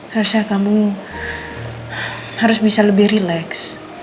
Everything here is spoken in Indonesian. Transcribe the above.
harusnya kamu harus bisa lebih relax